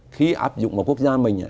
khi áp dụng vào quốc gia mình